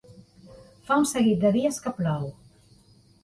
Fa un seguit de dies que plou.